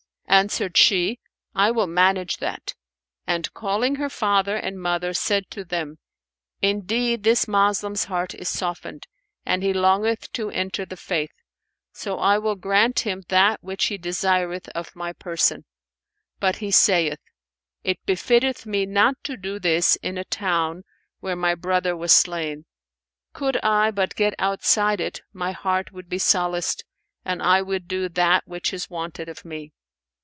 Answered she, "I will manage that"; and, calling her father and mother, said to them, "Indeed this Moslem's heart is softened and he longeth to enter the faith, so I will grant him that which he desireth of my person; but he saith: 'It befitteth me not to do this in a town where my brother was slain. Could I but get outside it my heart would be solaced and I would do that which is wanted of me.'